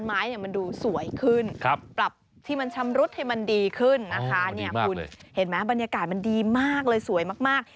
มันดีมากเลยเห็นไหมบรรยากาศมันดีมากเลยสวยมาก